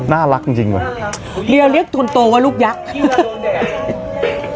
น่ารักจริงจริงวะเรียวเรียกคนโตว่าลูกยักษ์